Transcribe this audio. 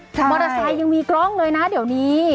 มอเตอร์ไซค์ยังมีกล้องเลยนะเดี๋ยวนี้